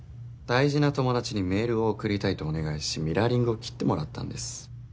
大事な友達にメールを送りたいとお願いしミラーリングを切ってもらったんです